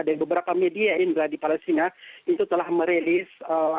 dan beberapa media indra di palestina itu telah merilis kekecewaan mereka